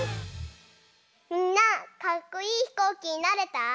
みんなかっこいいひこうきになれた？